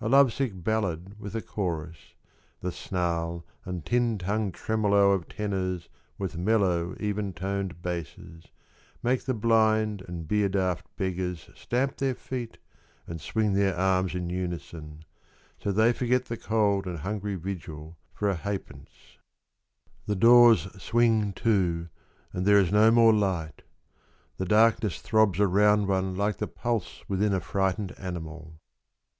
A love sick ballad with a chorus, The snarl and tin tongued tremolo of tenors With mellow, even toned basses Make the blind and beer daft beggars Stamp their feet and swing their arms in unison, So they forget the cold and hungry vigil for a ha'pence. 36 Barrel Organs. The doors swing to, and there is no more light. The darkness throbs around one like the pulse Within a frightened animal.